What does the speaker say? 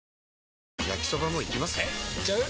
えいっちゃう？